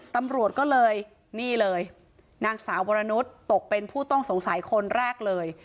ตำรวจก็เลยนี่เลยนางสาววรนุษย์ตกเป็นผู้ต้องสงสัยคนแรกเลย